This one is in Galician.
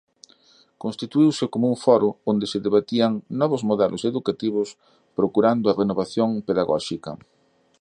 Constituíuse como un foro onde se debatían novos modelos educativos procurando a renovación pedagóxica.